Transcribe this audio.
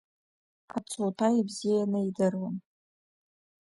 Ацуҭа бзианы идыруан.